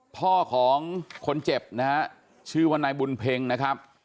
พ่อของคนเจ็บนะฮะชื่อว่านายบุญเพ็งนะครับ